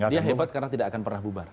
dia hebat karena tidak akan pernah bubar